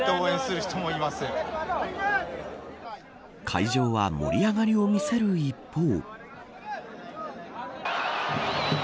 会場は盛り上がりを見せる一方。